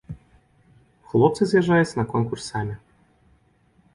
Хлопцы з'язджаюць на конкурс самі.